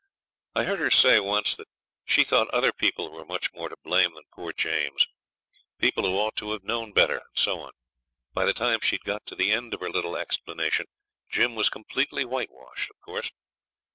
I heard her say once that she thought other people were much more to blame than poor James people who ought to have known better, and so on. By the time she had got to the end of her little explanation Jim was completely whitewashed of course.